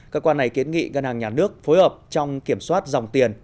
cơ quan này kiến nghị ngân hàng nhà nước phối hợp trong kiểm soát dòng tiền